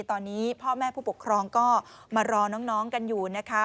ตอนนี้พ่อแม่ผู้ปกครองก็มารอน้องกันอยู่นะคะ